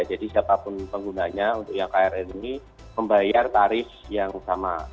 jadi siapapun penggunanya untuk yang krn ini membayar tarif yang sama